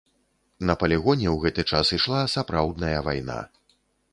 На палігоне ў гэты час ішла сапраўдная вайна.